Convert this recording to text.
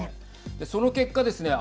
その結果ですね